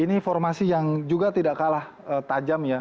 ini formasi yang juga tidak kalah tajam ya